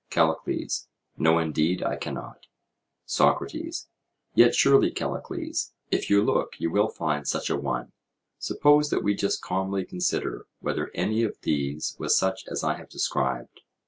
CALLICLES: No, indeed, I cannot. SOCRATES: Yet, surely, Callicles, if you look you will find such a one. Suppose that we just calmly consider whether any of these was such as I have described.